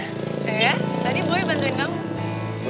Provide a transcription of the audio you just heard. iya tadi boy bantuin kamu